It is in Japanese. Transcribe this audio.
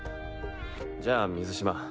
じゃあ水嶋